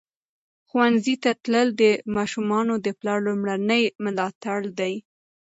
ښوونځي ته تلل د ماشومانو د پلار لومړنی ملاتړ دی.